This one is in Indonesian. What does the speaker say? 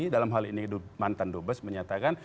dalam hal ini mantan dubes menyatakan